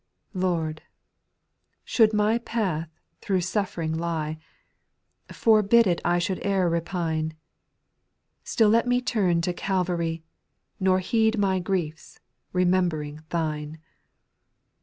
Lord, should my path thro' sufiering lie, Forbid it I should e'er repine ; Still let me turn to Calvary, Nor heed my griefs, remembering Thine.